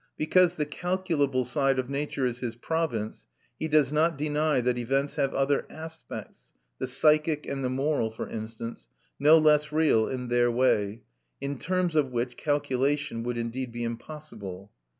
Because the calculable side of nature is his province, he does not deny that events have other aspects the psychic and the moral, for instance no less real in their way, in terms of which calculation would indeed be impossible.